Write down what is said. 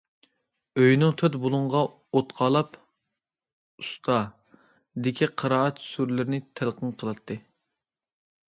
ئۆينىڭ تۆت بۇلۇڭىغا ئوت قالاپ،« ئۇستا» دىكى قىرائەت سۈرىلىرىنى تەلقىن قىلاتتى.